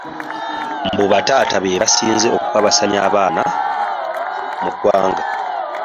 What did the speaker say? Mbu bataata be basinze okukabasanya abaana mu ggwanga.